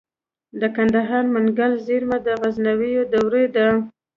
د کندهار منگل زیرمه د غزنوي دورې ده